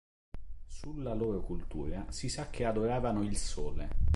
Sulla loro cultura si sa che adoravano il sole.